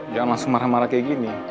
jangan langsung marah marah kayak gini